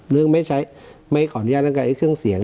เรื่องไม่ใช้ไม่ขออนุญาตกับเอียกเครื่องเสียง